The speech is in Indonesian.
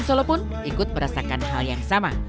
solo pun ikut merasakan hal yang sama